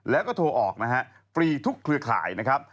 แล้วก็โทรออกนะฮะฟรีทุกเครือข่ายนะครับ